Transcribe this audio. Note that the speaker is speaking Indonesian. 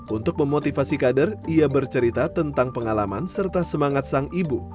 untuk memotivasi kader ia bercerita tentang pengalaman serta semangat sang ibu